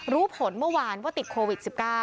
รู้ผลเมื่อวานว่าติดโควิด๑๙